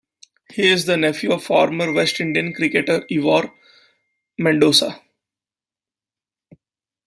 He is the nephew of former West Indian cricketer Ivor Mendonca.